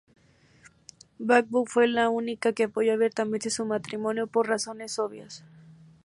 Babcock fue la única que apoyó abiertamente su matrimonio, por razones obvias.